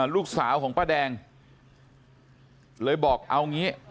ลูกสาวของป้าแดงเลยบอกเอางี้